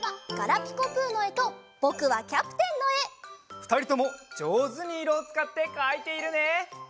ふたりともじょうずにいろをつかってかいているね！